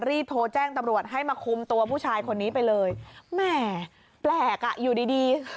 รีบโทรแจ้งตำรวจให้มาคุมตัวผู้ชายคนนี้ไปเลยแหมแปลกอ่ะอยู่ดีดี